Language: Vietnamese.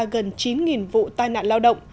gần chín vụ tai nạn lao động